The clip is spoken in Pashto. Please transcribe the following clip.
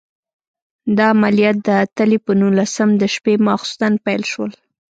دا عملیات د تلې په نولسم د شپې ماخوستن پیل شول.